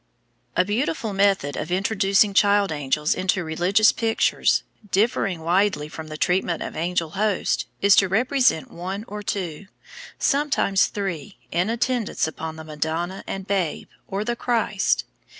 A beautiful method of introducing child angels into religious pictures, differing widely from the treatment of angel hosts, is to represent one or two, sometimes three, in attendance upon the Madonna and Babe, or the Christ.